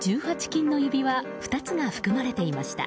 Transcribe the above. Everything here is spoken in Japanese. １８金の指輪２つが含まれていました。